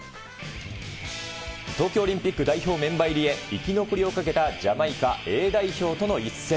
東京オリンピック代表メンバー入りへ、生き残りをかけたジャマイカＡ代表との一戦。